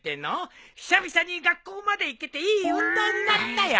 久々に学校まで行けていい運動になったよ。